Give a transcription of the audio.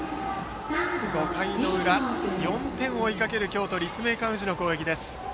５回の裏、４点を追いかける京都・立命館宇治の攻撃です。